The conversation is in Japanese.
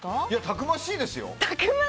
たくましいですよ。